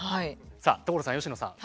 さあ所さん佳乃さん。